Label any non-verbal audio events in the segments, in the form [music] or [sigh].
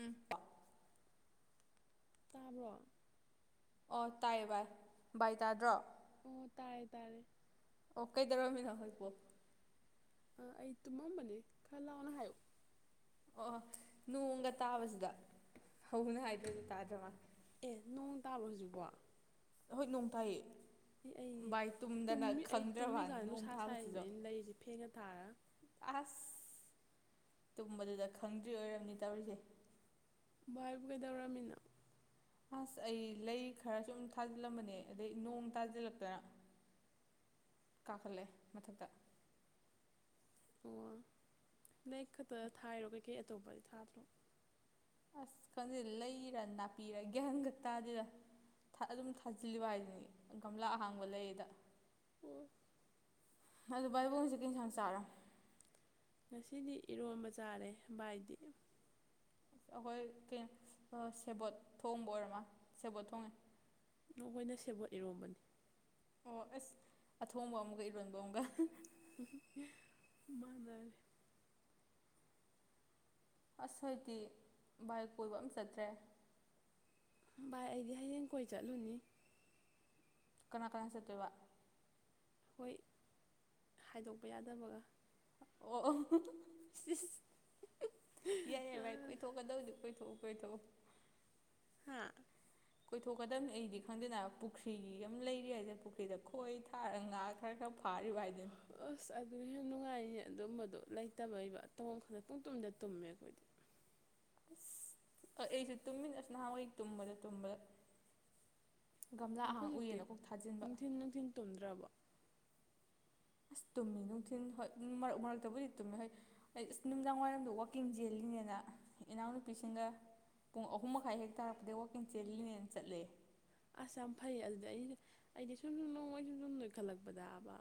ꯎ ꯄ ꯇꯥꯕ꯭ꯔꯣ ꯑꯣ ꯇꯥꯏꯌꯦ ꯚꯥꯏ ꯚꯥꯏ ꯇꯥꯗ꯭ꯔꯣ ꯑꯣ ꯇꯥꯔꯦ ꯇꯥꯔꯦ ꯑꯣ ꯀꯩꯗꯧꯔꯃꯤꯅꯣ ꯑꯩ ꯇꯨꯝꯃꯝꯕꯅꯦ ꯈꯔ ꯂꯥꯎꯅꯥ ꯍꯥꯏꯌꯣ ꯑꯣ ꯅꯣꯡꯒ ꯇꯥꯕꯁꯤꯗ ꯍꯧꯅ ꯍꯥꯏꯗꯔꯗꯤ ꯇꯥꯗꯕꯥ ꯃꯥ ꯑꯦ ꯅꯣꯡ ꯇꯥꯕꯔꯣ꯫ ꯍꯧꯖꯤꯛꯕꯣ ꯍꯣꯏ ꯅꯣꯡ ꯇꯥꯏꯌꯦ ꯑꯦ ꯑꯩꯗꯤ ꯚꯥꯏ ꯇꯨꯝꯗꯅ ꯇꯨꯝꯃꯤ ꯑꯩ ꯈꯪꯗ꯭ꯔꯕꯅ ꯇꯨꯝꯃꯤꯀꯥꯟꯗ ꯅꯣꯡ ꯅꯨꯡꯁꯥ ꯁꯥꯏꯔꯤꯁꯤꯅ ꯇꯥꯕꯁꯤꯁꯨ ꯑꯩꯅ ꯂꯩꯔꯤꯁꯤ ꯐꯦꯟꯒꯥ ꯊꯥꯔꯒꯥ ꯑꯁ ꯇꯨꯝꯕꯗꯨꯗ ꯈꯪꯗ꯭ꯔꯤ ꯑꯣꯏꯔꯝꯅꯤ ꯇꯧꯔꯤꯁꯦ ꯕꯥꯏꯕꯨ ꯀꯩꯗꯧꯔ꯭ꯃꯤꯅꯣ ꯑꯁ ꯑꯩ ꯂꯩ ꯈꯔ ꯁ ꯑꯗꯨꯨꯝ ꯊꯥꯖꯤꯜꯂꯝꯕꯅꯦ ꯑꯗꯩ ꯅꯣꯡ ꯇꯥꯖꯤꯜꯂꯛꯇꯅ ꯀꯥꯈꯠꯂꯦ ꯃꯊꯛꯇ ꯑꯣ ꯅꯦꯛ ꯈꯛꯇ ꯊꯥꯔꯣ ꯀꯩꯀꯩ ꯑꯇꯣꯞꯄꯗꯤ ꯊꯥꯗ꯭ꯔꯣ ꯑꯁ ꯈꯟꯗꯦ ꯂꯩꯔ ꯅꯥꯄꯤꯔ ꯒ꯭ꯌꯥꯍꯟ ꯈꯛ ꯇꯥꯗꯗ ꯑꯗꯨꯝ ꯊꯥꯖꯤꯜꯂꯤꯕ ꯍꯥꯏꯗꯨ ꯅꯦ ꯒꯝꯂꯥ ꯑꯍꯥꯡꯕ ꯂꯩꯌꯦꯗ ꯑꯣ ꯑꯗꯨ ꯕꯥꯥꯏꯕꯨ ꯀꯩ ꯑꯦꯟꯁꯥꯡ ꯆꯥꯔ꯭ ꯉꯁꯤꯗꯤ ꯏꯔꯣꯟꯝꯕ ꯆꯥꯔꯦ ꯚꯥꯏꯗꯤ ꯑꯩꯈꯣꯏ ꯀ ꯁꯦꯕꯣꯠ ꯊꯣꯡꯕ ꯑꯣꯏꯔꯃ ꯁꯦꯕꯣꯠ ꯊꯣꯡꯉꯦ ꯑꯩꯈꯣꯏꯅ ꯁꯦꯕꯣꯠ ꯏꯔꯣꯝꯕꯅꯤ ꯑꯣ ꯑꯁ ꯑꯊꯣꯡꯕ ꯑꯃꯒ ꯏꯔꯣꯟꯕ ꯑꯃꯒ ꯃꯟꯅꯔꯦ ꯑꯁ ꯍꯥꯏꯗꯤ ꯕꯥꯏ ꯀꯣꯏꯕ ꯑꯃ ꯆꯠꯇ꯭ꯔꯦ ꯚꯥꯏ ꯑꯩꯗꯤ ꯍꯌꯦꯡ ꯀꯣꯏ ꯆꯠꯂꯨꯅꯤ ꯀꯅꯥ ꯀꯅꯥ ꯆꯠꯇꯣꯏꯕ ꯍꯣꯏ ꯍꯥꯏꯗꯣꯛꯄ ꯌꯥꯗꯕꯒ ꯑꯣ ꯑꯣ [inaudible] ꯑ ꯑꯣꯏꯊꯣꯛꯊꯧ ꯍꯥ ꯀꯣꯏꯊꯣꯛꯀꯗꯝꯕꯅꯤ ꯑꯩꯗꯤ ꯈꯪꯗꯦꯅ ꯄꯨꯈ꯭ꯔꯤ ꯑꯃ ꯂꯩꯔꯤ ꯍꯥꯏꯁꯦ ꯄꯨꯈ꯭ꯔꯤꯗ ꯈꯣꯏ ꯊꯥꯔꯒ ꯉꯥ ꯈꯔ ꯈꯔ ꯐꯔꯤꯕꯥ ꯍꯥꯢꯗꯨꯅꯦ ꯑꯁ ꯑꯗ꯭ꯔꯍꯤ ꯅꯨꯡꯉꯥꯏꯔꯤꯅꯦ ꯑꯗꯨꯝꯕꯗꯣ ꯂꯩꯇꯕꯩꯕ ꯇꯧ ꯈꯗ ꯄꯨꯡ ꯇꯨꯝꯗ ꯇꯨꯝꯃꯦ ꯑꯩꯈꯣꯏꯗꯤ ꯑꯁ ꯑꯩ ꯑꯩꯁꯨ ꯇꯨꯝꯃꯤꯅꯦ ꯅꯍꯥꯟꯋꯥꯏ ꯇꯨꯝꯕꯗ ꯇꯨꯝꯕꯗ ꯒꯝꯂꯥ ꯅꯪ ꯑꯍꯥ ꯍꯧꯖꯤꯛꯇꯤ ꯎꯏꯌꯦꯅ ꯀꯣꯛ ꯊꯥꯖꯤꯟꯕ ꯅꯨꯡꯊꯤꯟ ꯅꯨꯡꯊꯤꯟ ꯇꯨꯝꯗ꯭ꯔꯕꯣ [inaudible] ꯇꯨꯝꯃꯤ ꯅꯨꯡꯊꯤꯟ ꯍꯣꯏ ꯃꯔꯛ ꯃꯔꯛꯇꯕꯨꯗꯤ ꯇꯨꯝꯃꯤ ꯍꯣꯏ ꯑꯩ ꯑꯁ ꯅꯨꯡꯗꯥꯡ ꯋꯥꯏꯔꯝꯗ ꯋꯥꯛꯀꯤꯡ ꯆꯦꯜꯂꯤꯅꯤꯅ ꯏꯅꯥꯎꯅꯨꯄꯤꯁꯤꯡꯒ ꯄꯨꯡ ꯑꯍꯨꯝ ꯃꯈꯥꯏ ꯍꯦꯛ ꯇꯥꯔꯛꯄꯗꯩ ꯋꯥꯛꯀꯤꯡ ꯆꯦꯜꯂꯤꯅꯦꯅ ꯆꯠꯂꯦ ꯑꯁ ꯌꯥꯝ ꯐꯩ ꯑꯗꯨꯗꯤ ꯑꯩ ꯑꯩꯗꯤ ꯁꯨꯝ ꯁꯨꯝ ꯅꯣꯡꯃ ꯑꯩ ꯁꯨꯝ ꯁꯨꯝ ꯅꯣꯏꯈꯠꯂꯛꯄꯗꯕ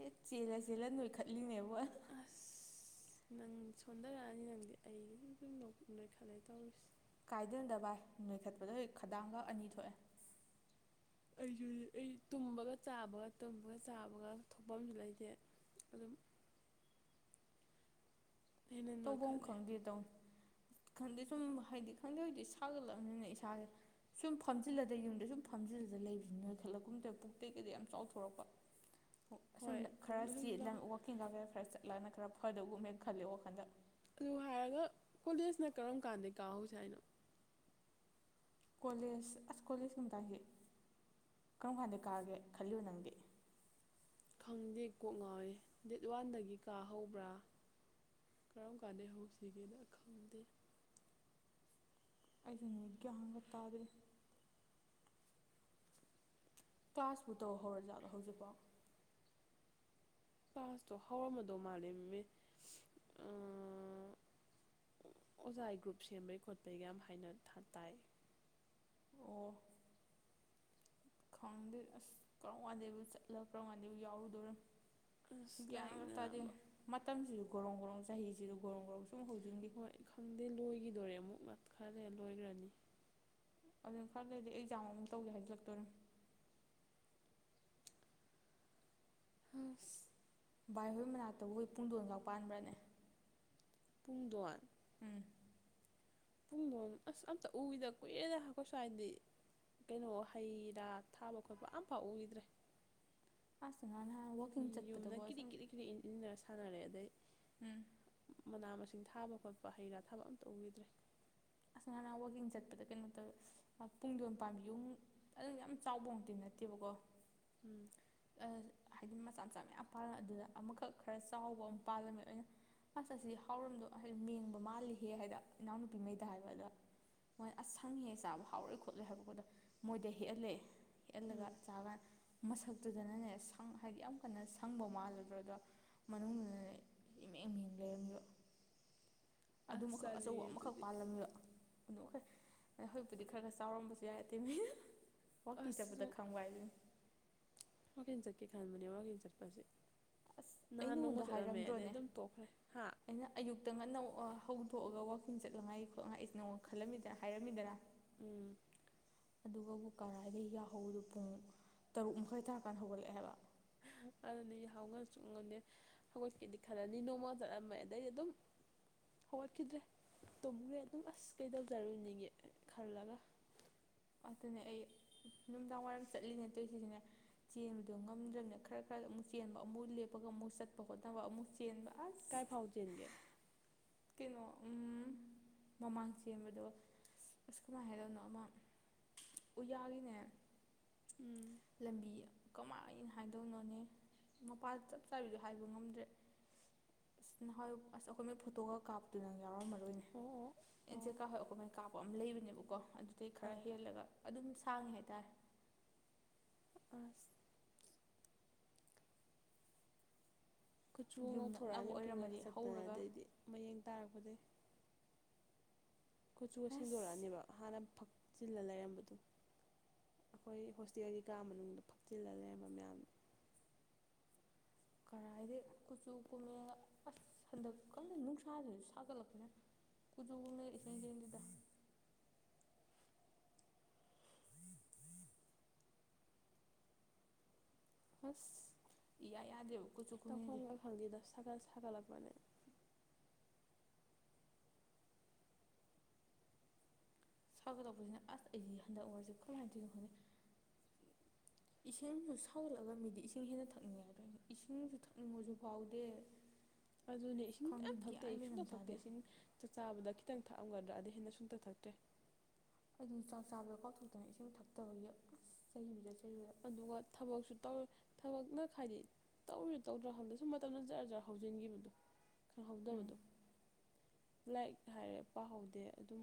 ꯑꯦ ꯆꯦꯜꯂ ꯆꯦꯜꯂ ꯅꯣꯏꯈꯠꯂꯤꯅꯦꯕ ꯑꯁ ꯅꯪ ꯁꯣꯟꯊꯔꯛꯑꯅꯤ ꯅꯪꯗꯤ ꯑꯩꯗꯤ ꯁ ꯅꯣꯛ ꯎꯅꯣꯏ ꯈꯜꯂꯦ ꯇꯧꯔꯤꯁꯦ ꯀꯥꯏꯗꯩꯅꯣꯗ ꯚꯥꯏ ꯅꯣꯏꯈꯠꯄꯗꯣ ꯍꯣꯏ ꯈꯗꯥꯡꯈ ꯑꯅꯤ ꯊꯣꯛꯑꯦ ꯑꯩꯁꯨ ꯑꯩ ꯇꯨꯝꯕꯒ ꯆꯥꯕꯒ ꯇꯨꯝꯕꯒ ꯆꯥꯕꯒ ꯊꯣꯛꯐꯝꯁꯨ ꯂꯩꯇꯦ ꯑꯗꯨꯝ [inaudible] ꯍꯦꯟꯅ ꯇꯧꯕꯝ ꯅꯣꯏꯈꯠꯂꯦ ꯈꯪꯗꯦ ꯇꯧꯟ ꯈꯪꯗꯦ ꯁꯨꯝ ꯍꯥꯏꯗꯤ ꯈꯪꯗꯦ ꯍꯧꯗꯤ ꯁꯥꯒꯠꯂꯝꯅꯤꯅ ꯏꯁꯥꯁꯦ ꯁꯨꯝ ꯐꯝꯖꯤꯜꯂꯗ ꯌꯨꯝꯗ ꯁꯨꯝ ꯐꯝꯖꯤꯜꯂꯗ ꯂꯩꯕꯅꯤꯅ ꯈꯜꯂꯛꯀꯨꯝꯗ ꯄꯨꯛ ꯇꯩ ꯀꯩꯗꯩ ꯌꯥꯝ ꯆꯥꯎꯊꯣꯔꯛꯄ [inaudible] ꯑꯣ ꯑꯁꯨꯝ ꯍꯣꯏ ꯈꯔ ꯄꯨꯛꯅ ꯁꯨꯝ ꯆ ꯆꯥꯎꯈꯠ ꯋꯥꯛꯀꯤꯡꯒ ꯀꯩꯔ ꯈꯔ ꯆꯠꯂꯒꯅ ꯈꯔ ꯐꯗꯕꯒꯨꯝ ꯍꯦꯛ ꯈꯜꯂꯦ ꯋꯥꯈꯟꯗ ꯑꯗꯨ ꯍꯥꯏꯔꯒ ꯀꯣꯂꯦꯖꯅ ꯀꯔꯝ ꯀꯥꯟꯗꯩ ꯀꯥꯍꯧꯁꯦ ꯍꯥꯏꯅꯣ ꯀꯣꯂꯦꯖ ꯑꯁ ꯀꯣꯂꯦꯖ ꯀꯨꯝ ꯃꯇꯥꯁꯤ ꯀꯔꯝ ꯀꯥꯟꯗ ꯀꯥꯒꯦ ꯈꯜꯂꯤꯕ ꯅꯪꯗꯤ ꯈꯪꯗꯦ ꯀꯣꯛ ꯉꯥꯎꯋꯤ ꯗꯦꯠ ꯋꯥꯟꯗꯒꯤ ꯀꯥ ꯍꯧꯕ꯭ꯔꯥ ꯀꯔꯝ ꯀꯥꯟꯗꯩ ꯍꯧꯁꯤꯒꯦꯅ ꯈꯪꯗꯦ ꯑꯩꯁꯨꯅꯤ ꯒꯌ꯭ꯥꯟ ꯒ ꯇꯥꯗꯦ ꯀ꯭ꯂꯥꯁꯄꯨ ꯇꯧ ꯍꯧꯔ ꯖꯥꯠꯂꯣ ꯍꯧꯖꯤꯛꯄꯣ ꯄꯥꯁꯇꯣ ꯍꯧꯔꯝꯃꯗꯧ ꯃꯥꯜꯂꯤ ꯃꯤꯃꯦ ꯑ ꯑꯣꯖꯥꯏ ꯒ꯭ꯔꯨꯞ ꯁꯦꯝꯕꯩ ꯈꯣꯠꯄꯩꯒ ꯌꯥꯝ ꯍꯥꯏꯅ ꯇꯥꯏ ꯑꯣ ꯈꯪꯗꯦ ꯑꯁ ꯀꯔꯝ ꯋꯥꯥꯟꯗꯦꯕꯨ ꯆꯠꯂ ꯀꯔꯝ ꯋꯥꯥꯟꯗꯦꯕꯨ ꯌꯥꯎꯔꯨꯗꯣꯔꯤꯝ ꯑꯁ ꯂꯥꯏꯔꯤꯛ ꯒ꯭ꯌꯥꯟꯒ ꯇꯥꯗꯦ ꯅꯥꯕ ꯃꯇꯝꯁꯤꯁꯨ ꯒꯣꯔꯣꯡ ꯒꯣꯔꯣꯡ ꯆꯍꯤꯁꯤꯁꯨ ꯒꯣꯔꯣ ꯒ꯭ꯔꯧ ꯍꯣꯏ ꯈꯪꯗꯦ ꯂꯣꯏꯒꯤꯗꯣꯔꯦ ꯑꯃꯨꯛ ꯉ ꯈꯔ ꯂꯩꯔ ꯂꯣꯏꯒꯔ꯭ꯅꯤ ꯑꯗꯨ ꯈꯔ ꯂꯩꯗꯤ ꯑꯦꯛꯖꯥꯝ ꯑꯃꯨꯛ ꯇꯧꯒꯦ ꯍꯥꯏꯖꯤꯜꯂꯛꯇꯣꯔꯤꯝ ꯍꯥꯁ ꯚꯥꯏ ꯍꯣꯏ ꯃꯅꯥꯛꯇꯕꯨ ꯍꯣꯏ ꯄꯨꯡꯗꯣꯟꯒ ꯄꯥꯟꯕ꯭ꯔꯅꯦ ꯄꯨꯡꯗꯣꯟ ꯎꯝ ꯄꯨꯡꯗꯣꯟ ꯑꯁ ꯑꯝꯇ ꯎꯒꯤꯗ ꯀꯨꯏꯔꯦꯗ ꯑꯈꯣꯏ ꯁ꯭ꯋꯥꯏꯗꯤ ꯀꯩꯅꯣ ꯍꯩ ꯔꯥ ꯊꯥꯕ ꯈꯣꯠꯄ ꯑꯝꯐꯥꯎ ꯎꯒꯤꯗ꯭ꯔꯦ ꯑꯥꯁ ꯅꯥꯅꯥ ꯌꯨꯝꯅ ꯀꯤꯔꯤꯛ ꯀꯤꯔꯤꯛ ꯀꯤꯔꯤꯛ ꯏꯟꯖꯤꯟ ꯅꯔ ꯁꯥꯟꯅꯔꯦ ꯑꯗꯩ ꯎꯝ ꯃꯅꯥ ꯃꯁꯤꯡ ꯊꯥꯕ ꯈꯣꯠꯄ ꯍꯩꯔꯥ ꯊꯕ ꯑꯝꯇ ꯎꯒꯤꯗ꯭ꯔꯦ ꯑꯁ ꯉꯔꯅꯥꯡ ꯋꯥꯛꯀꯤꯡ ꯆꯠꯄꯗ ꯀꯩꯅꯣ ꯇꯧꯋꯦ ꯄꯨꯡ ꯌꯣꯟ ꯄꯥꯝꯕꯤꯌꯨ ꯑꯗꯨꯝ ꯌꯥꯝ ꯆꯥꯎꯕꯃꯨꯛꯇꯤ ꯅꯠ ꯇꯦꯕꯀꯣ ꯎꯝ ꯑ ꯍꯥꯏꯗꯤ ꯃꯆꯥ ꯃꯆꯥ ꯃꯌꯥꯝ ꯄꯥꯜꯂ ꯑꯗꯨꯗ ꯑꯃꯈꯛ ꯈꯔ ꯆꯥꯎꯕ ꯑꯃ ꯄꯥꯜꯂꯝꯃꯦ ꯑꯩꯅ ꯑꯁ ꯑꯁꯤ ꯍꯥꯎꯔꯝꯗꯣ ꯍꯥꯏꯗꯤ ꯃꯦꯡꯕ ꯃꯥꯜꯂꯤꯍꯦ ꯍꯥꯏꯗ ꯏꯅꯥꯎꯅꯨꯄꯤ ꯃꯩ ꯗ ꯍꯥꯏꯕ ꯑꯗ ꯃꯣꯏ ꯑꯁ ꯁꯪꯉꯤꯍꯦ ꯆꯥꯕ ꯍꯥꯎꯔꯣꯏ ꯈꯣꯠꯂꯣꯏ ꯍꯥꯏꯕꯀꯣꯗ ꯃꯣꯏꯗ ꯍꯦꯛꯍꯜꯂꯦ ꯍꯦꯛꯑꯜ ꯂꯒꯥ ꯎꯝ ꯆꯒꯥꯟ ꯃꯁꯛꯇꯨꯗꯅꯅꯦ ꯁꯪ ꯍꯥꯏꯗꯤ ꯌꯥꯝ ꯀꯟꯅ ꯁꯪꯕ ꯃꯥꯜꯂꯗ꯭ꯔꯣ ꯑꯗꯣ ꯃꯅꯨꯡꯗꯨꯅꯦ ꯏꯃꯦ ꯃꯦꯡ ꯂꯩꯔꯝꯃꯤꯕ ꯑꯗꯨ ꯃꯈꯛ ꯑꯁ ꯑꯆꯧꯕ ꯆꯥꯅꯤꯡꯉꯦ ꯑꯃꯈꯛ ꯑꯗꯨꯗꯤ ꯗ ꯑꯗꯨ ꯍꯣꯏꯛ ꯍꯧꯖꯤꯛꯄꯨꯗꯤ ꯈꯔ ꯈꯔ ꯆꯥꯎꯔꯝꯕꯁꯨ ꯌꯥꯏ ꯑꯇꯩꯃꯩꯗꯨ ꯋꯋꯥꯛꯀꯤꯡ ꯑꯁ ꯆꯠꯄꯗ ꯁꯨꯝ ꯈꯪꯕ ꯍꯥꯏꯗꯤ ꯀꯩ ꯈꯟꯕꯅꯦ ꯋꯥꯛꯀꯤꯡ ꯆꯠꯄꯁꯦ ꯑꯁ ꯑꯩ ꯅꯍꯥꯟ ꯅꯣꯡꯃ ꯅꯉꯣꯟꯗ ꯆꯠꯂꯝꯃꯦ ꯑꯗꯩ ꯑꯗꯨꯝ ꯇꯣꯛꯈ꯭ꯔꯦ ꯍꯥ ꯈꯛꯇꯪ ꯑꯅꯧ ꯍꯧꯗꯣꯛꯑꯒ ꯋꯥꯀꯤꯡ ꯆꯠꯅꯤꯡꯉꯥꯏ ꯈꯣꯠꯅꯉꯥꯏ ꯑꯩꯁꯤ ꯅꯉꯣꯟ ꯈꯜꯂꯝꯃꯤꯗꯅ ꯍꯥꯏꯔꯝꯃꯤꯗꯅ ꯎꯝ ꯑꯗꯨꯒꯕꯨ ꯀꯔꯥꯏꯗ ꯌꯥꯎꯍꯧꯗꯨ ꯄꯨꯡ ꯇꯔꯨꯛ ꯃꯈꯥꯏ ꯇꯥꯔꯀꯥꯟꯗ ꯍꯧꯒꯠꯂꯛꯑꯦꯕ ꯑꯗꯨꯅꯦ ꯌꯥꯍꯥꯎ ꯉꯟ ꯁꯨꯉꯝ ꯉꯝꯗꯦ ꯍꯧꯒꯠꯀꯤꯗꯤ ꯈꯜꯂꯅꯤ ꯅꯣꯡꯃ ꯆꯠꯂꯝꯃꯦ ꯑꯗꯩ ꯑꯗꯨꯝ ꯍꯧꯒꯠ ꯈꯤꯗ꯭ꯔꯦ ꯇꯨꯝꯒꯔꯦ ꯑꯗꯨꯝ ꯑꯁ ꯀꯩꯗꯧꯖꯔꯨꯏꯅꯦꯒꯤ ꯈꯜꯂꯒ ꯑꯗꯨꯅꯦ ꯑꯩ ꯅꯨꯝꯗꯥꯡ ꯋꯥꯏꯔꯝ ꯆꯠꯂꯤꯅꯦ ꯇꯣꯏꯁꯤꯁꯨꯅꯦ ꯆꯦꯟꯕꯗꯣ ꯉꯝꯗ꯭ꯔꯝꯅꯤꯅ ꯈꯔ ꯈꯔ ꯑꯃꯨꯛ ꯆꯦꯟꯕ ꯑꯃꯨꯛ ꯂꯦꯞꯄꯒ ꯑꯃꯨꯛ ꯆꯠꯄ ꯈꯣꯠꯅꯕ ꯑꯃꯨꯛ ꯆꯦꯟꯕ ꯑꯁ ꯀꯥꯏ ꯐꯥꯎ ꯆꯦꯟꯒꯦ ꯀꯩꯅꯣ ꯎꯝ ꯃꯃꯥꯡ ꯆꯦꯟꯕꯗꯣ ꯑꯁ ꯀꯃꯥꯏꯟ ꯍꯥꯏꯗꯣꯅꯣ ꯑꯃ ꯎꯌꯥꯒꯤꯅꯦ ꯎꯝ ꯂꯝꯕꯤ ꯀꯃꯥꯏꯅ ꯍꯥꯏꯗꯧꯅꯣꯅꯦ ꯃꯄꯥ ꯆꯞ ꯆꯥꯕꯤꯗꯣ ꯍꯥꯏꯕ ꯉꯝꯗ꯭ꯔꯦ [unintelligible] ꯀꯥꯞꯇꯨꯅꯪ ꯌꯥꯎꯔꯝꯃꯔꯣꯏꯅꯦ ꯑꯣ ꯑꯦꯟꯁꯦ ꯑꯣ ꯀꯥ ꯍꯣꯏ ꯑꯩ ꯀꯃꯅ ꯀꯥꯞꯄ ꯑꯃ ꯂꯩꯕꯅꯦꯕꯀꯣ ꯑꯗꯨ ꯑꯇꯩ ꯈꯔ ꯑꯣ ꯍꯦꯜꯂꯒ ꯑꯗꯨꯝ ꯁꯥꯡꯉꯤ ꯍꯥꯏꯇꯥꯔꯦ [unintelligible] ꯀꯨꯆꯨ ꯌꯨꯝ ꯅꯛꯅꯕ ꯉꯧꯊꯣꯔꯛꯑꯅꯤ ꯌꯧꯀꯤꯡꯉꯒ ꯑꯣꯏꯔꯝꯃꯗꯤ ꯆꯠꯇꯅ ꯍꯧꯔꯒ ꯑꯗꯩꯗꯤ ꯃꯌꯦꯡ ꯇꯥꯔꯛꯄꯗꯒꯤꯩ ꯀꯨꯠꯆꯨꯒ ꯑꯁ ꯁꯦꯡꯗꯣꯔꯛꯑꯅꯦꯕ ꯍꯥꯟꯅ ꯐꯛꯆꯤꯜꯂ ꯂꯩꯔꯝꯕꯗꯣ ꯑꯩꯈꯣꯏ ꯍꯣꯁꯇꯦꯜꯒꯤ ꯀꯥ ꯃꯅꯨꯡꯗ ꯐꯛꯆꯤꯜꯂꯒ ꯂꯩꯔꯝꯕ ꯃꯌꯥꯝ ꯀꯔꯥꯏꯗꯒꯤ ꯀꯨꯆꯨ ꯀꯨꯝꯃꯦꯒ ꯑꯁ ꯍꯟꯗꯛ ꯀꯗ ꯅꯨꯡꯁꯥꯁꯤꯁꯨ ꯁꯥꯒꯠꯂꯛꯄꯅꯤꯅ ꯀꯨꯖꯨꯅ ꯏꯁꯤꯡ ꯀꯔꯤꯗꯨꯗ ꯑꯁ ꯏꯌꯥ ꯌꯥꯗꯦꯕ ꯀꯨꯆꯨ ꯀꯨꯃꯦꯟꯁꯦ ꯇꯧꯐꯝꯒ ꯈꯪꯗꯦꯗ ꯁꯥꯒꯠ ꯁꯥꯒꯠꯂꯛꯄꯅꯦ ꯁꯥꯒꯗꯧꯕꯁꯤꯅ ꯑꯁ ꯑꯩꯗꯤ ꯍꯟꯗꯛ ꯑꯣꯏꯔꯁꯦ ꯀꯔꯝꯍꯥꯏꯅ ꯇꯧꯅꯣ ꯈꯣꯠꯅꯤ ꯏꯁꯤꯡꯁꯨ ꯁꯥꯎꯒꯠꯂꯒ ꯃꯤꯗꯤ ꯏꯁꯤꯡ ꯍꯦꯟꯅ ꯊꯛꯅꯤꯡꯉꯦꯗꯅꯦ ꯏꯁꯤꯡꯁꯨ ꯊꯛꯅꯤꯡꯕꯁꯨ ꯐꯥꯎꯗꯦ ꯑꯗꯨꯅꯦ ꯏꯁꯤꯡ ꯌꯥꯝ ꯈꯪꯗꯦ ꯌꯥꯝ ꯐꯛꯇꯦ ꯒ꯭ꯌꯥꯟ ꯃꯦꯟ ꯑꯃ ꯁꯨꯡꯊꯛ ꯐꯛꯇꯦ ꯇꯥꯗꯦ ꯏꯁꯤꯡ ꯆꯥꯕꯗꯈꯤ ꯈꯤꯇꯪ ꯊꯛꯑꯝꯒꯗ꯭ꯔꯥꯗꯤ ꯍꯦꯟꯅ ꯁꯨꯡꯇꯛ ꯊꯛꯇ꯭ꯔꯦ ꯑꯗꯨꯝ ꯆꯥꯛ ꯆꯥꯕꯗ ꯀꯥꯎꯊꯣꯛꯇꯅ ꯏꯁꯤꯡ ꯊꯛꯇꯕꯒꯤ ꯆꯍꯤꯗꯠ ꯑꯗꯨꯒ ꯊꯕꯛꯁꯨ ꯇꯧ ꯊꯕꯛꯅ ꯍꯥꯏꯗꯤ ꯇꯧꯔꯤ ꯇꯧꯗ꯭ꯔꯣ ꯍꯕꯗ ꯁꯨꯝ ꯃꯇꯝꯗ ꯖꯔ ꯖꯔ ꯍꯧꯖꯤꯟꯈꯤꯕꯗꯣ ꯎꯝ ꯈꯪꯍꯧꯗꯕꯗꯣ ꯂꯥꯏꯛ ꯍꯥꯏꯔꯦ ꯄꯥꯍꯧꯗꯦ ꯑꯗꯨꯝ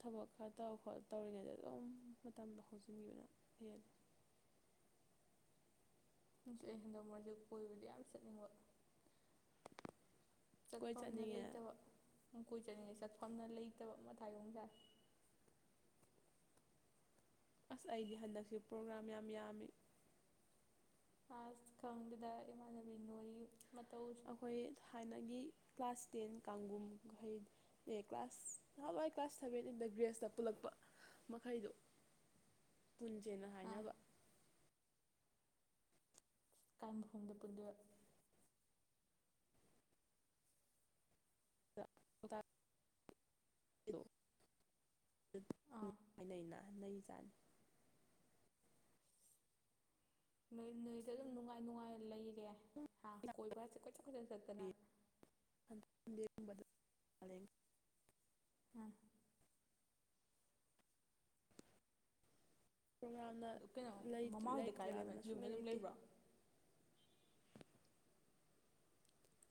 ꯊꯕꯛ ꯈꯔ ꯇ ꯈꯣꯠ ꯇꯧꯔꯤꯉꯩꯗ ꯑꯗꯨꯝ ꯃꯇꯝꯗ ꯍꯧꯥꯎꯖꯤꯟꯈꯤꯕꯅ ꯍꯦꯜꯂꯤ ꯑꯩ ꯍꯦꯟꯗꯧ ꯃꯣꯟꯖꯤ ꯀꯣꯏꯕꯗꯤ ꯌꯥꯝ ꯆꯠꯅꯤꯡꯕ ꯀꯣꯏ ꯆꯠꯐꯝꯝꯅ ꯆꯠꯅꯤꯡꯉꯦ ꯂꯩꯇꯕ ꯀꯣꯏ ꯆꯠꯅꯤꯡꯉꯩ ꯆꯠꯐꯝꯅ ꯂꯩꯇꯕ ꯃꯊꯥꯏꯒꯣꯨꯝꯁꯥꯏ ꯑꯁ ꯑꯩꯒꯤ ꯍꯟꯗꯛꯁꯨ ꯄ꯭ꯔꯣꯒ꯭ꯔꯥꯝ ꯌꯥꯝ ꯌꯥꯝꯃꯤ ꯑ ꯀꯗꯔ ꯃꯥꯅꯅꯣꯔꯤ ꯑꯩꯈꯣꯏ ꯊꯥꯟꯅꯒꯤ ꯀ꯭ꯂꯥꯁ ꯇꯦꯟ ꯀꯥꯡꯒꯨꯝꯍꯩ ꯑꯦ ꯀ꯭ꯂꯥꯁ ꯅꯍꯥꯟꯋꯥꯏ ꯀ꯭ꯂꯥꯁ ꯁꯕꯦꯟ ꯏꯟꯗ ꯒ꯭ꯔꯦꯖꯇ ꯄꯨꯜꯂꯛꯄ ꯃꯈꯩꯗꯨꯣ [inaudible] [unintelligible] ꯄꯨꯟꯁꯦꯟꯅ ꯑꯥ ꯍꯥꯏꯅꯕ ꯑꯀꯥꯏꯕꯐꯝꯗ ꯄꯨꯟꯗꯨ [inaudible] [unintelligible] ꯑꯥ [unintelligible] ꯅꯣꯏ ꯅꯣꯏꯁꯦ ꯑꯗꯨꯝ ꯅꯨꯡꯉꯥꯏ ꯅꯨꯡꯉꯥꯏ ꯂꯩꯔꯦ ꯍꯥ ꯅꯩꯖꯥꯠꯅꯤ ꯀꯣꯏꯕꯁꯦ ꯀꯣꯏ ꯆꯠ ꯀꯣꯏꯆꯠ ꯆꯠꯇꯅ ꯑꯗꯩꯩ ꯎꯝ ꯄ꯭ꯔꯣꯒ꯭ꯔꯥꯝꯅ ꯑꯗꯨ ꯀꯩꯅꯣ ꯂꯩ ꯃꯃꯥ ꯍꯣꯏꯗꯤ ꯀꯥꯏ ꯂꯩꯕ ꯂꯩꯔꯛꯇ꯭ꯔꯀꯥꯟꯗꯅ ꯌꯨꯝꯗ ꯁꯨꯡꯂꯩ ꯑꯗꯨꯝ ꯂꯩꯇꯦ ꯂꯩꯕ꯭ꯔꯣ [inaudible] [unintelligible]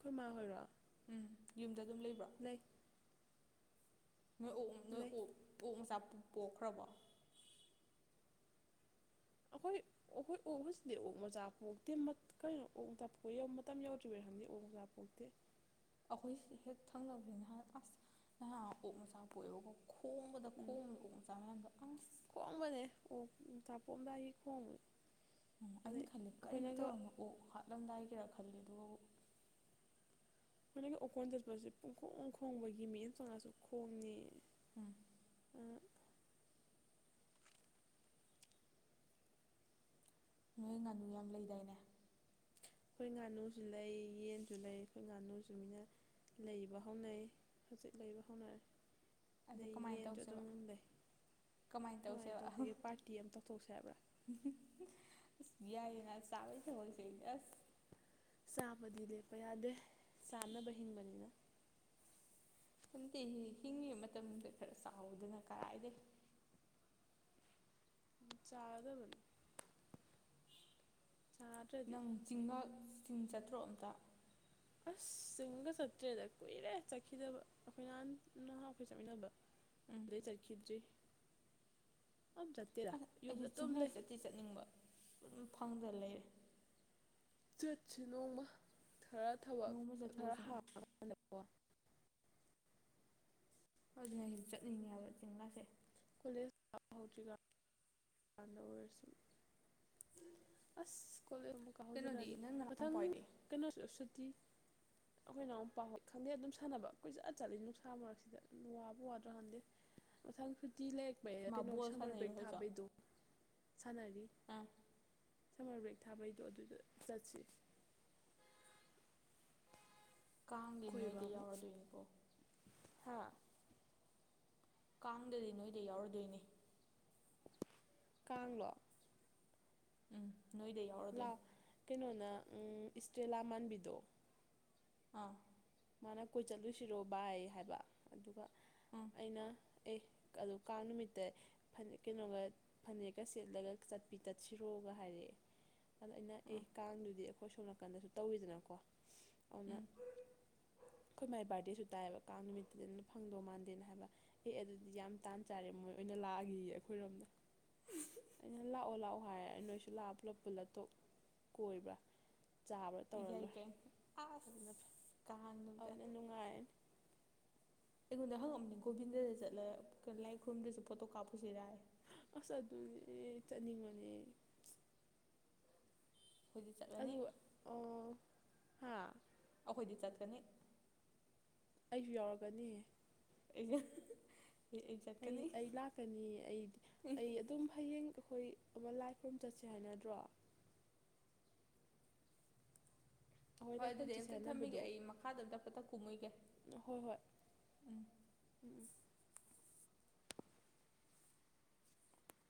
ꯈꯣꯏ ꯃꯥ ꯍꯣꯏꯔꯣ ꯎꯝ ꯌꯨꯝꯗ ꯑꯗꯨꯝ ꯂꯩꯕ꯭ꯔꯥ ꯂꯩ ꯂꯩ ꯑꯗꯨ ꯄꯣꯛꯈ꯭ꯔꯕ ꯑꯩꯈꯣꯏ ꯑꯩꯈꯣꯏ ꯑꯣꯛꯕꯁꯤꯗꯤ ꯑꯣꯛ ꯃꯆꯥ ꯄꯣꯛꯇꯤ ꯀꯩꯅꯣ ꯑꯣꯛ ꯃꯇꯝ ꯌꯧꯗ꯭ꯔꯤꯕ ꯑꯅꯤ ꯑꯣꯖꯥꯄꯣꯛꯇꯦ ꯑꯩꯈꯣꯏ ꯍꯦꯛ ꯊꯪꯅꯕꯕꯁꯤ ꯅꯍꯥꯟ ꯑꯁ ꯅꯍꯥꯟ ꯑꯣꯛ ꯃꯆꯥ ꯄꯣꯛꯑꯦꯕꯀꯣ ꯈꯣꯡꯕꯗ ꯎꯝ ꯈꯣꯡꯉꯕ ꯎꯛ ꯃꯆꯥ ꯃꯌꯥꯝꯗꯣ ꯑꯁ ꯆꯥꯄꯣꯝꯗꯥꯏ ꯈꯣꯡ ꯎꯝ ꯑꯩꯅ ꯈꯜꯜꯂꯤꯦ ꯀꯔꯤ ꯇꯧꯔꯝꯅ ꯑꯣ ꯍꯥꯠꯂꯝꯗꯥꯏꯒꯤꯔ ꯈꯜꯂꯦ ꯑꯗꯨꯒ ꯃꯣꯏꯒꯤ ꯎꯀꯣꯟ ꯆꯠꯄꯁꯦ ꯄꯨꯡꯈꯣꯡ ꯈꯣꯡꯕꯒꯤ ꯃꯤꯠꯌꯦꯡ ꯇꯣꯡꯉꯁꯨ ꯈꯣꯡꯅꯤ ꯎꯝ ꯑꯩꯈꯣꯏ ꯅꯣꯏ ꯉꯥꯅꯨ ꯌꯥꯝ ꯂꯩꯗꯥꯏꯅꯦ ꯑꯩꯈꯣꯏ ꯉꯥꯅꯨꯁꯨ ꯂꯩ ꯌꯦꯟꯁꯨ ꯂꯩ ꯑꯩꯈꯣꯏ ꯉꯥꯅꯨꯁꯨ ꯃꯤꯅ ꯂꯩꯕ ꯍꯧꯅꯩ ꯍꯧꯖꯤꯛ ꯂꯩꯕ ꯍꯧꯅꯔꯦ ꯑꯗꯨ ꯂꯩ ꯀꯃꯥꯏꯅ ꯌꯦꯟꯖꯨ ꯇꯧꯁꯦꯕ ꯑꯗꯨꯝ ꯂꯩ ꯀꯃꯥꯏꯅ ꯇꯧꯁꯤꯒꯦ ꯄꯥꯔꯇꯤ ꯑꯃ ꯇꯧꯊꯣꯛꯁꯦ ꯍꯥꯏꯕ꯭ꯔꯥ ꯌꯥꯏꯌꯦ ꯆꯥꯕꯩ ꯊꯕꯛꯁꯦ ꯑꯁ ꯆꯥꯕꯗꯤ ꯂꯦꯞꯄ ꯌꯥꯗꯦ ꯆꯥꯅꯕ ꯍꯤꯡꯕꯅꯤꯅ ꯈꯪꯇꯤꯍꯦ ꯍꯤꯡꯏ ꯃꯇꯝꯗ ꯈꯔ ꯆꯥꯎꯗꯅ ꯀꯔꯥꯏꯗ ꯆꯥꯔꯗꯕꯅꯤ ꯅꯪ ꯆꯤꯡꯃꯛ ꯆꯤꯡ ꯆꯥꯠꯇ꯭ꯔꯣ ꯑꯝꯇ ꯑꯁ ꯆꯤꯡꯒ ꯆꯠꯇ꯭ꯔꯦꯗ ꯀꯨꯏꯔꯦ ꯆꯠꯈꯤꯗꯕ ꯑꯩꯈꯣꯏ ꯅꯍꯥꯟ ꯅꯍꯥꯟ ꯑꯩꯈꯣꯏ ꯆꯠꯃꯤꯟꯅꯕ ꯎꯝ ꯑꯗꯩ ꯆꯠꯈ꯭ꯔꯤꯗ꯭ꯔꯤ ꯑ ꯌꯨꯝꯗ ꯑꯩꯁꯨ ꯑꯗꯨꯝ ꯆꯤꯡꯂꯩ ꯂꯩ ꯆꯠꯇꯤ ꯆꯠꯅꯤꯡꯕ ꯑꯗꯨꯝ ꯐꯪꯗꯅ ꯂꯩꯔꯦ ꯆꯠꯁꯤ ꯅꯣꯡꯃ ꯈꯔ ꯊꯕꯛ ꯅꯣꯡꯃ ꯈꯔ ꯆꯠꯊꯣꯛꯎꯁꯤꯅ ꯍꯥꯡꯉꯀꯥꯟꯗꯀꯣ ꯑꯗꯨꯅ ꯑꯩ ꯆꯠꯅꯤꯡꯉꯦꯕ ꯍꯥꯏꯕ ꯆꯦꯡꯡꯂꯥꯁꯦ ꯀꯣꯂꯦꯁ ꯀꯥꯕ ꯍꯧꯗ꯭ꯔꯤ ꯀꯥꯟꯗ ꯑꯣꯏꯔꯁꯨ ꯑꯁ ꯀꯣꯂꯦꯁ ꯑꯃꯨꯛ ꯀꯩꯅꯣꯗꯤ ꯀꯥꯍꯧꯖꯔꯛꯑꯅꯤ ꯅꯪ ꯃꯊꯪ ꯅꯅꯥꯎꯄꯥꯏꯗꯤ ꯀꯩꯅꯣꯁꯨ ꯎ ꯁꯠꯇꯤ [unintelligible] ꯑꯩꯈꯣꯏ ꯏꯅꯥꯎꯄ ꯍꯣꯏ ꯈꯪꯗꯦ ꯑꯗꯨꯝ ꯁꯥꯟꯅꯕ ꯀꯨꯏꯖꯠ ꯆꯠꯂꯤ ꯅꯨꯡꯁꯥ ꯃꯔꯛꯁꯤꯗ ꯋꯥꯕ ꯋꯥꯗ꯭ꯔꯣ ꯍꯥꯟꯗꯦ ꯃꯊꯪ ꯈꯨꯟ ꯃꯥ ꯀꯩꯅꯣ ꯕꯣꯜ ꯁꯝꯃꯔ ꯁꯥꯟꯅꯩꯕ ꯕ꯭ꯔꯦꯛ ꯍꯧꯖꯤꯛꯁꯨ ꯊꯥꯕꯩꯗꯣ ꯁꯥꯟꯅꯔꯤ ꯑꯥ ꯁꯝꯃꯔ ꯕ꯭ꯔꯦꯛ ꯊꯥꯕꯩꯗꯣ ꯑꯗꯨꯗ ꯆꯠꯁꯤ ꯀꯥꯡꯗꯤ ꯀꯣꯏꯕ ꯅꯣꯏꯗ ꯑꯃꯨꯛ ꯌꯥꯎꯔꯗꯣꯏꯅꯤꯀꯣ ꯍꯥ ꯀꯥꯡꯗꯗꯤ ꯅꯣꯏꯗ ꯌꯥꯎꯔꯗꯣꯏꯅꯤ ꯀꯥꯡꯂꯣ ꯎꯝ ꯅꯣꯏꯗ ꯌꯥꯎꯔꯗꯣꯏ ꯅ ꯎꯝ ꯏꯁꯇ꯭ꯔꯦꯂꯥ ꯃꯥꯟꯕꯤꯗꯣ ꯑꯥ ꯃꯥꯅ ꯀꯣꯏ ꯆꯠꯂꯨꯁꯤꯔꯣ ꯕꯥꯏ ꯍꯥꯏꯕ ꯑꯗꯨꯒ ꯎꯝ ꯑꯩꯅ [inaudible] ꯑꯣ ꯀꯥꯡ ꯅꯨꯃꯤꯠꯇꯅ ꯐꯅꯦꯛ ꯀꯩꯅꯣꯒ ꯐꯅꯦꯛꯀ ꯁꯦꯠꯂꯒ ꯆꯠꯄꯤ ꯇꯠꯁꯤꯔꯣꯒ ꯍꯥꯏꯔꯛꯑꯦ ꯑꯗꯣ ꯑꯩꯅ ꯑꯦ ꯎꯝ ꯀꯥꯡꯗꯨꯗꯤ ꯑꯩꯈꯣꯏ ꯁꯣꯝ ꯅꯥꯀꯟꯗꯁꯨ ꯇꯧꯋꯤꯗꯅꯀꯣ ꯑꯗꯨꯅ ꯎꯝ [inaudible] ꯑꯩꯈꯣꯏ ꯃꯥꯏ ꯕꯥꯔꯗꯦꯁꯨ ꯇꯥꯏꯌꯦꯕ ꯀꯥꯡ ꯅꯨꯃꯤꯠꯇꯨꯗꯅ ꯐꯪꯗꯧ ꯃꯥꯟꯗꯦꯅ ꯍꯥꯏꯕ ꯑꯦ ꯑꯗꯨꯗꯤ ꯌꯥꯝ ꯇꯥꯟ ꯆꯥꯔꯦ ꯃꯣꯏ ꯑꯣꯏꯅ ꯂꯥꯛꯑꯒꯦꯌꯦ ꯑꯩꯈꯣꯏꯔꯣꯝꯗ ꯑꯣ ꯂꯥꯛꯑꯣ ꯍꯥꯏꯔꯦ ꯅꯣꯏꯁꯨ ꯂꯥꯞ ꯄꯨꯂꯞ ꯄꯨꯜꯂꯞ ꯇꯣꯛ ꯀꯣꯏꯕ꯭ꯔꯥ ꯆꯥꯕ꯭ꯔꯥ ꯇꯧꯔ ꯌꯥꯏ ꯂꯣꯏꯅ ꯀꯩ ꯑꯗꯨꯅ ꯐꯩ ꯑꯁ ꯀꯥꯡꯗꯨꯗ ꯑꯗꯨꯗ ꯅꯨꯡꯉꯥꯏꯅꯤ ꯑꯩꯉꯣꯟꯗ ꯍꯪꯉꯝꯃꯨꯀꯣ ꯒꯣꯕꯤꯟꯗ ꯆꯠꯂꯒ ꯂꯥꯏ ꯈꯨꯔꯨꯝꯗꯁꯨ ꯄꯣꯠꯇꯣ ꯀꯥꯞꯄꯨꯁꯤꯔꯦ ꯑꯁ ꯑꯗꯨ ꯆꯅꯤꯡ ꯃꯅꯤ ꯑꯩꯈꯣꯏꯗꯤ ꯆꯠꯂꯅꯤ ꯑꯗꯨ ꯑ ꯍꯥꯥ ꯑꯩꯈꯣꯏꯗꯤ ꯆꯠꯀꯅꯤ ꯑꯩꯁꯨ ꯌꯥꯎꯔꯒꯅꯤ ꯏ ꯑꯩ ꯑꯩ ꯂꯥꯛꯀꯅꯤ ꯑꯩꯗꯤ ꯑꯩ ꯑꯗꯨꯝ ꯍꯌꯦꯡ ꯑꯩꯈꯣꯏ ꯑꯃ ꯂꯥꯏ ꯈꯨꯔꯨꯝ ꯆꯠꯁꯦ ꯍꯥꯏꯅꯗ꯭ꯔꯣ ꯑꯩꯈꯣꯏ ꯍꯣꯏ ꯂꯥꯏ ꯑꯗꯨꯗꯤ ꯈꯨꯔꯨꯝ ꯆꯠꯁꯦ ꯑꯝꯇ ꯊꯝꯃꯒꯦ ꯍꯥꯏꯅꯕꯗꯣ ꯑꯩ ꯃꯈꯥꯗ ꯑꯝꯇ ꯄꯇ ꯀꯨꯝꯃꯣꯏꯒꯦ ꯍꯣꯏ ꯍꯣꯏ ꯎꯝ ꯎꯝ ꯎꯝ